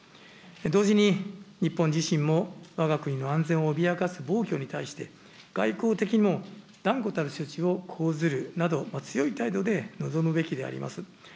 同時に、日本自身もわが国の安全を脅かす暴挙に対して、外交的にも断固たる処置を講ずるなど、強い態度で臨むべきであります。